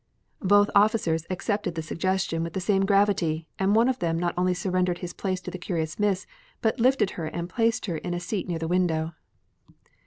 Both officers accepted the suggestion with the same gravity, and one of them not only surrendered his place to the curious Miss but lifted her and placed her in a seat near the window.